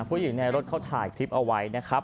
ผู้หญิงในรถเขาถ่ายคลิปเอาไว้นะครับ